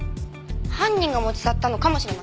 犯人が持ち去ったのかもしれません。